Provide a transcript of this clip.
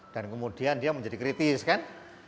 dan kemudian dia menjadi kritis kan